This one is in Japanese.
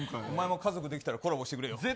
お前も家族できたらコラボしてくれよ。